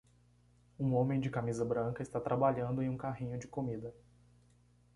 Um homem de camisa branca está trabalhando em um carrinho de comida.